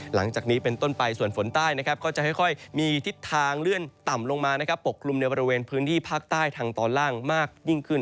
หลังจากนี้เป็นต้นไปส่วนฝนใต้ก็จะค่อยมีทิศทางเลื่อนต่ำลงมาปกกลุ่มในบริเวณพื้นที่ภาคใต้ทางตอนล่างมากยิ่งขึ้น